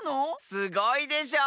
すごいでしょう？